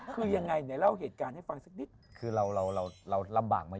คือยังไงนายเล่าเหตุการณ์ให้ฟังสักนิด